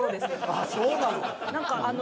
ああそうなの。